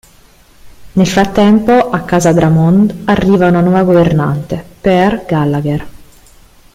Nel frattempo, a casa Drummond arriva una nuova governante, Pearl Gallagher.